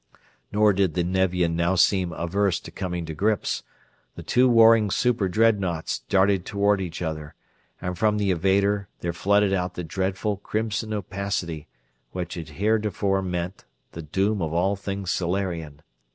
Nor did the Nevian now seem averse to coming to grips. The two warring super dreadnaughts darted toward each other, and from the invader there flooded out the dread crimson opacity which had theretofore meant the doom of all things Solarian.